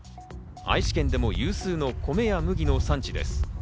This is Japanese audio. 愛知県でも有数の米や麦の産地です。